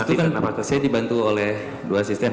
ya biasanya disitu kan saya dibantu oleh dua sistem